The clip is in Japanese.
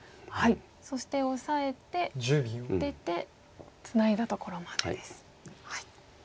そしてオサえて出てツナいだところまでです。